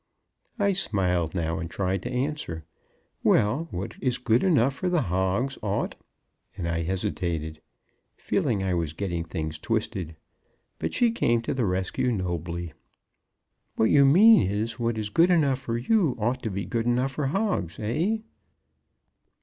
I smiled now and tried to answer. "Well, what is good enough for hogs ought ," and I hesitated, feeling I was getting things twisted; but she came to the rescue nobly. "What you mean is, what is good enough for you ought to be good enough for hogs, eh?"